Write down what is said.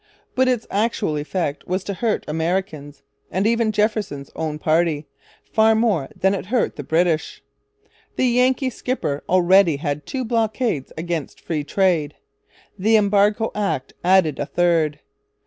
But its actual effect was to hurt Americans, and even Jefferson's own party, far more than it hurt the British. The Yankee skipper already had two blockades against 'Free Trade.' The Embargo Act added a third.